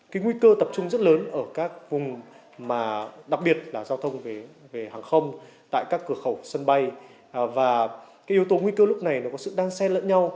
cái nguy cơ tập trung rất lớn ở các vùng mà đặc biệt là giao thông về hàng không tại các cửa khẩu sân bay và cái yếu tố nguy cơ lúc này nó có sự đăng xe lẫn nhau